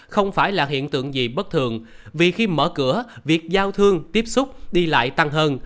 không phải là hiện tượng gì bất thường vì khi mở cửa việc giao thương tiếp xúc đi lại tăng hơn